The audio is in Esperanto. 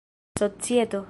societo